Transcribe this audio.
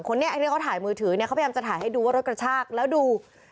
ไอ้ที่เขาถ่ายมือถือเนี่ยเขาพยายามจะถ่ายให้ดูว่ารถกระชากแล้วดู